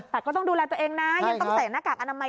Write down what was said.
แต่ก็ต้องดูแลตัวเองนะยังต้องใส่หน้ากากอนามัย